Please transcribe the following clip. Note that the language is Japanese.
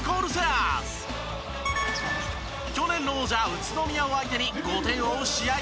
去年の王者宇都宮を相手に５点を追う試合残り４０秒。